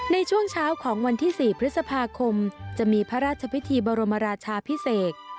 ในช่วงเช้าของวันที่๔พฤษภาคมจะมีพระราชพิธีบรมราชาพิเศษ